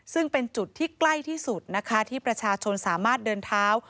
ซึ่งเป็นจุดที่ใกล้ที่สุดนะคะที่ประชาชนสามารถเดินเท้า